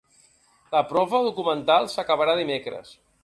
La prova documental s’acabarà dimecres.